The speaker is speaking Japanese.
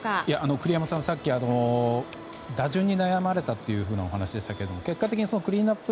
栗山さん、さっき打順に悩まれたというようなお話でしたが結果的にクリーンアップ